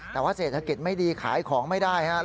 แต่ว่าเศรษฐกิจไม่ดีขายของไม่ได้ครับ